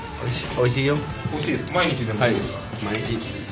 おいしいですか。